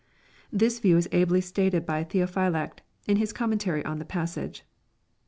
This v^ew is ably stated by Theophylact in his commentary on £he passage.